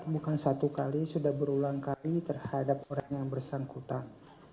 bukan satu kali sudah berulang kali terhadap orang yang bersangkutan